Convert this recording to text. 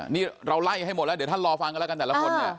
นี่เราไล่ให้หมดและเดี๋ยวดิแล้วท่านรอฟังกันละกัน